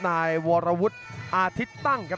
นายวรวุฒิอาทิตย์ตั้งครับ